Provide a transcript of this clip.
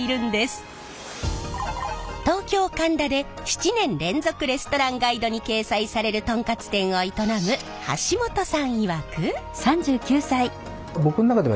東京・神田で７年連続レストランガイドに掲載されるトンカツ店を営む橋本さんいわく。